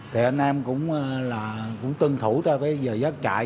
thì anh em cũng tân thủ tới cái giờ giấc chạy